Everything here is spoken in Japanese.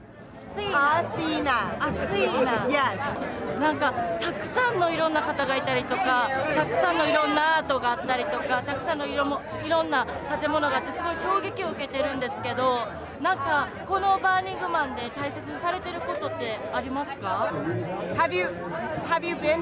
何かたくさんのいろんな方がいたりとかたくさんのいろんなアートがあったりとかたくさんのいろんな建物があってすごい衝撃を受けてるんですけど何かこのバーニングマンで大切にされてる事ってありますか？